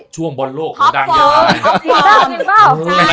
ช่วงบอลโลกมันดังอย่างไร